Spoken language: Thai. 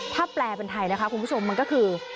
ถ้าแปลเป็นไทยนะคะคุณผู้ชมมันก็คือ